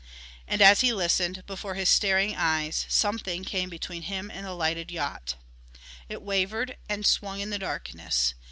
And as he listened, before his staring eyes, a something came between him and the lighted yacht. It wavered and swung in the darkness.